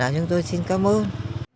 chúng tôi xin cảm ơn